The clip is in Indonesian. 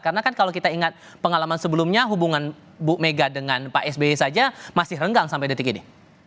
karena kan kalau kita ingat pengalaman sebelumnya hubungan bu mega dengan pak sby saja masih renggang sampai detik ini